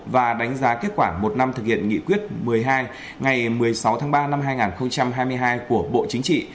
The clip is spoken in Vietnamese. và đánh giá kết quả một năm thực hiện nghị quyết một mươi hai ngày một mươi sáu tháng ba năm hai nghìn hai mươi hai của bộ chính trị